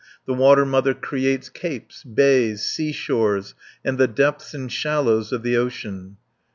The Water Mother creates capes, bays, sea shores, and the depths and shallows of the ocean (245 280).